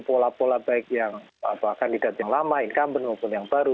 pola pola baik yang kandidat yang lama incumbent maupun yang baru